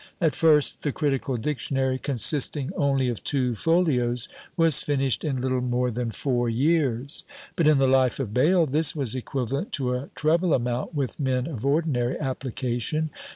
At first, "The Critical Dictionary," consisting only of two folios, was finished in little more than four years; but in the life of Bayle this was equivalent to a treble amount with men of ordinary application.